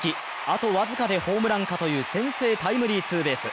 あと僅かでホームランかという先制タイムリーツーベース。